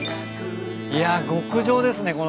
いや極上ですね